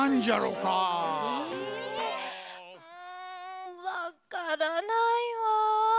うんわからないわ。